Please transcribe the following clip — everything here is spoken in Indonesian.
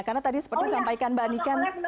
karena tadi seperti sampaikan mbak anika